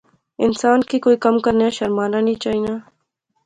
انسان کی کوئی وی کم کرنیا شرمانا نی چاینا